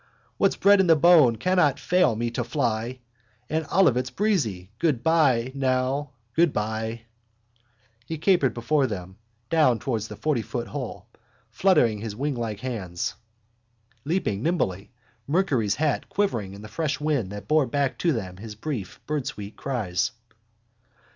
What's bred in the bone cannot fail me to fly And Olivet's breezy... Goodbye, now, goodbye!_ He capered before them down towards the fortyfoot hole, fluttering his winglike hands, leaping nimbly, Mercury's hat quivering in the fresh wind that bore back to them his brief birdsweet cries.